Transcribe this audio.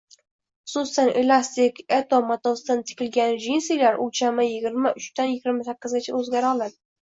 Xususan, elastik Eto matosidan tikilgan djinsilar o‘lchamiyigirma uchdanyigirma sakkizgacha o‘zgara oladi